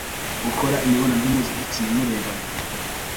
gukora imibonano mpuzabitsina murebana